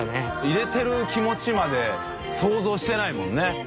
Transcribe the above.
入れてる気持ちまで想像してないもんね。